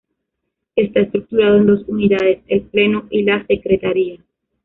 Está estructurado en dos unidades: El Pleno y la Secretaría.